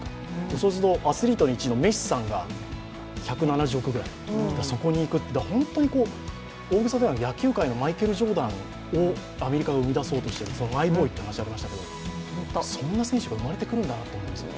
そうするとアスリートいちのメッシさんが１７０億くらいそこに行くっていう、大げさではなく、野球界のマイケル・ジョーダンをアメリカが生み出そうとしている、マイボーイという話がありましたけど、そんな選手が生まれてくるんだなと思います。